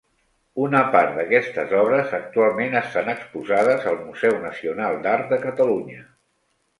Una part d'aquestes obres actualment estan exposades al Museu Nacional d'Art de Catalunya.